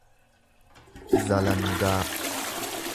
zalangaa